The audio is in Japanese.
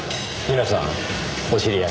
皆さんお知り合い？